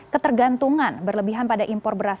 ketergantungan berlebihan pada impor beras